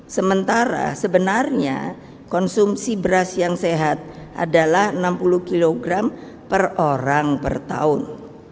sementara sebenarnya konsumsi beras yang sehat adalah enam puluh kg per orang per tahun